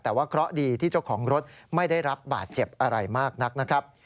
แต่ว่าเคราะห์ดีที่เจ้าของรถไม่ได้รับบาดเจ็บอะไรมากนักนะครับ